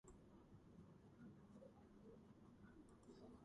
მას შემდეგ ისინი დავობენ იმაზე, არის თუ არა ეს შეთანხმება სავალდებულო.